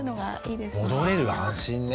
戻れる安心ね。